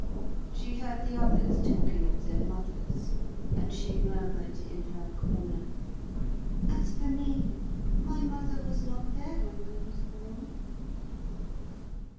She heard the others talking of their mothers, and she murmured in her corner:— "As for me, my mother was not there when I was born!"